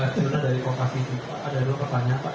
sebenarnya dari kontak itu pak ada dua pertanyaan pak